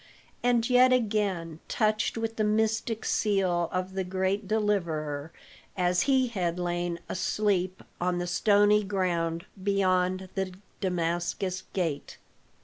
And yet again, touched with the mystic seal of the great deliverer as he had lain "asleep" on the stony ground beyond the Damascus Gate.